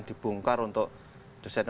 sudah dibongkar untuk desain